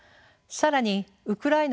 更にウクライナ